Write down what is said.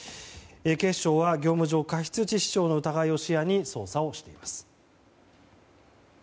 警視庁は業務上過失致死傷の疑いを視野に捜査をしています。